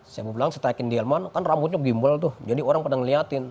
saya bilang saya tag in delman kan rambutnya gimbal tuh jadi orang pernah ngeliatin